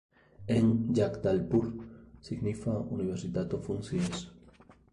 En Ĝagdalpur signifa universitato funkcias.